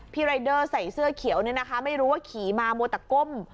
รายเดอร์ใส่เสื้อเขียวเนี่ยนะคะไม่รู้ว่าขี่มามัวแต่ก้ม